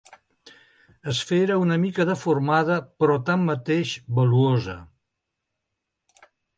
Esfera una mica deformada, però tanmateix valuosa.